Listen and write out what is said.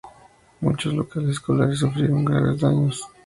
Muchos locales escolares sufrieron graves daños.